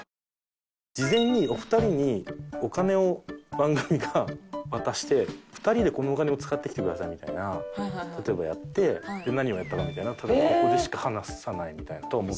事前にお二人にお金を番組が渡して「２人でこのお金を使ってきてください」みたいな例えばやって何をやったかみたいなのはここでしか話さないみたいなとは思ってるんですけど。